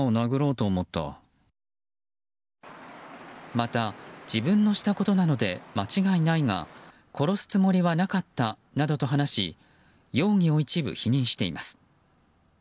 また、自分のしたことなので間違いないが殺すつもりはなかったなどと話し容疑を一部否認しています。